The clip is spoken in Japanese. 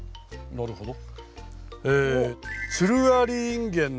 なるほど。